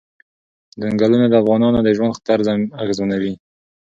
چنګلونه د افغانانو د ژوند طرز اغېزمنوي.